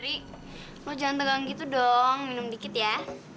lo jangan tegang gitu dong minum dikit ya